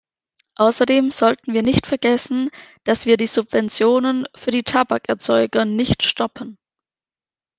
Außerdem sollten wir nicht vergessen, dass wir die Subventionen für die Tabakerzeuger nicht stoppen.